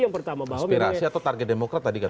pertama bahwa aspirasi atau target demokrat tadi